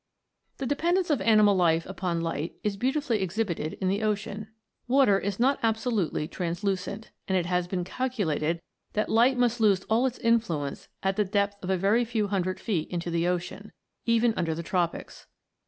The dependence of animal life upon light is beau tifully exhibited in the ocean. Water is not abso lutely translucent, and it has been calculated that light must lose all its influence at the depth of a very few hundred feet into the ocean, even under the tropics.